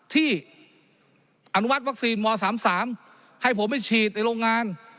ที่อนุวัติวัคซีนมสามสามให้ผมไปฉีดในโรงงาน